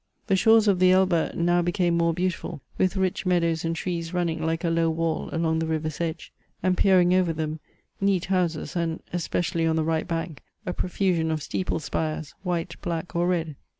The shores of the Elbe now became more beautiful, with rich meadows and trees running like a low wall along the river's edge; and peering over them, neat houses and, (especially on the right bank,) a profusion of steeple spires, white, black, or red.